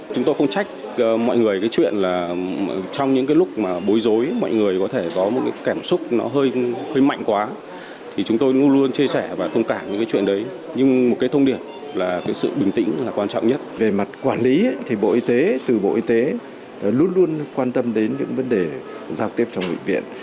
chúng tôi luôn quan tâm đến những vấn đề giao tiếp trong bệnh viện